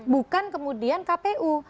bukan kemudian kpu